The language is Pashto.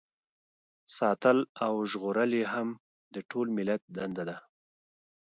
ساتل او ژغورل یې هم د ټول ملت دنده ده.